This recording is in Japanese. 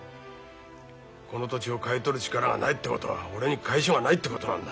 この土地を買い取る力がないってことは俺に甲斐性がないってことなんだ。